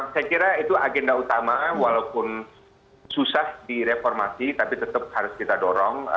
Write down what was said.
saya kira itu agenda utama walaupun susah direformasi tapi tetap harus kita dorong